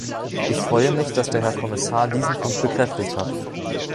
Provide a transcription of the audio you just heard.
Ich freue mich, dass der Herr Kommissar diesen Punkt bekräftigt hat.